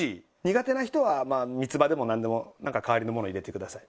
苦手な人はまあ三つ葉でもなんでもなんか代わりのものを入れてください。